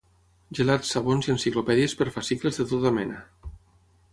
Gelats, sabons i enciclopèdies per fascicles de tota mena.